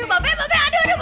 aduh bapak bapak aduh aduh